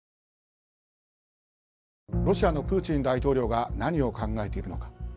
ロシアのプーチン大統領が何を考えているのか。